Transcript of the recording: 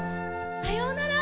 さようなら。